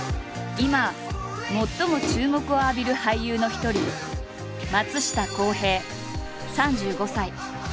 今最も注目を浴びる俳優の一人松下洸平３５歳。